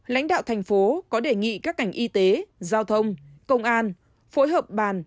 lãnh đạo tp hcm có đề nghị các cảnh y tế giao thông công an phối hợp bàn